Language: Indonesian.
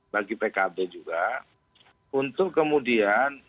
bagi pkb juga untuk kemudian